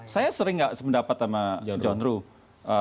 saya sering gak sependapat sama john roo